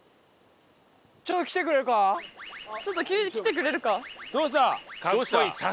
「ちょっと来てくれるか」？